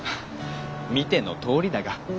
見てのとおりだが。